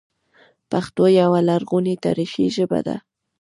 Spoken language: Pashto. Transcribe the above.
پښتو یوه لرغونې تاریخي ژبه ده